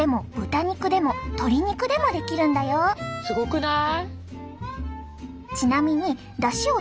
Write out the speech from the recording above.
すごくない？